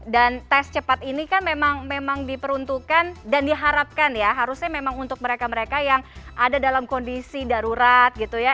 dan tes cepat ini kan memang diperuntukkan dan diharapkan ya harusnya memang untuk mereka mereka yang ada dalam kondisi darurat gitu ya